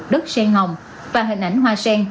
đất sen ngồng và hình ảnh hoa sen